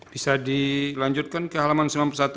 bisa dilanjutkan ke halaman sembilan puluh satu